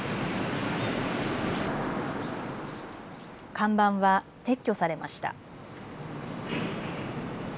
看板は撤去されました。